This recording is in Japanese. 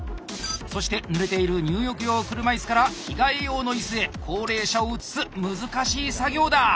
そしてぬれている入浴用車いすから着替え用のいすへ高齢者を移す難しい作業だ！